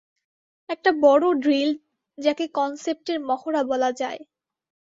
একটা বড় ড্রিল যাকে কনসেপ্টের মহড়া বলা যায়।